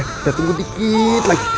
kita tunggu dikit lagi